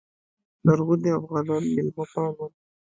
لرغوني افغانان میلمه پال وو